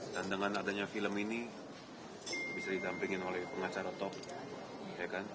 dan dengan adanya film ini bisa didampingin oleh pengacara top ya kan